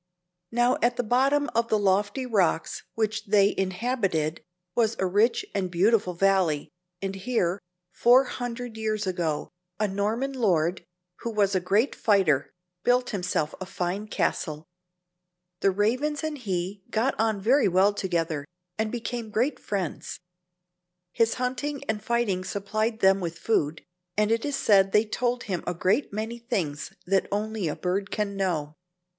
Now at the bottom of the lofty rocks which they inhabited was a rich and beautiful valley, and here, four hundred years ago, a Norman lord, who was a great fighter, built himself a fine castle. The Ravens and he got on very well together, and became great friends. His hunting and fighting supplied them with food, and it is said they told him a great many things that only a bird can know.